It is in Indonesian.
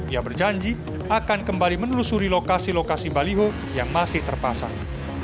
ia berjanji akan kembali menelusuri lokasi lokasi baliho yang masih terpasang